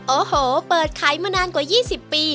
โอ้โหเปิดขายมานานกว่า๒๐ปี